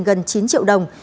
gần chín triệu đồng